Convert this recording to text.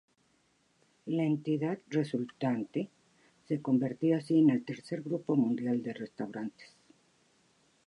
La entidad resultante se convertía así en el tercer grupo mundial de restaurantes.